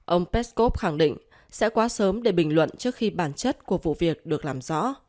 ông peskov khẳng định sẽ quá sớm để bình luận trước khi bản chất của vụ việc được làm rõ